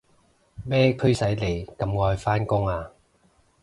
係咩驅使你咁愛返工啊？